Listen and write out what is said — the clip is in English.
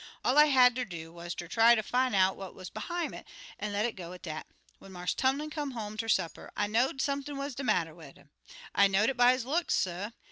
All I had ter do wuz ter try ter fin' out what wuz behime it, an' let it go at dat. When Marse Tumlin come home ter supper, I know'd sump'n wuz de matter wid 'im. I know'd it by his looks, suh.